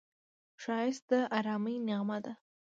ښایست د ارامۍ نغمه ده